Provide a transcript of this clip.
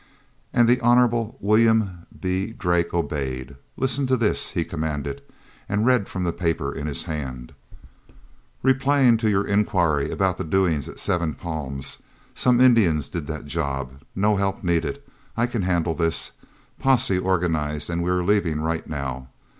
And the Honorable William B. Drake obeyed. "Listen to this," he commanded, and read from the paper in his hand: "'Replying to your inquiry about the doings at Seven Palms. Some Indians did that job. No help needed. I can handle this. Posse organized and we are leaving right now.